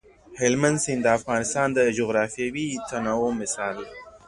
هلمند سیند د افغانستان د جغرافیوي تنوع مثال دی.